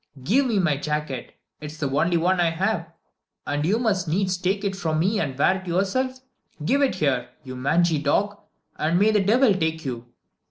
"Give me my jacket. It is the only one I have, and you must needs take it from me and wear it yourself. Give it here, you mangy dog, and may the devil take you."